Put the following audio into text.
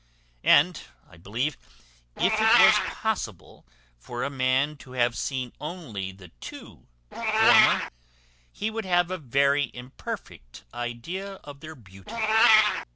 And, I believe, if it was possible for a man to have seen only the two former, he would have a very imperfect idea of their beauty.